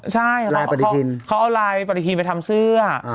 ใช่เขาเอาลายปฏิทินไปทำเสื้อ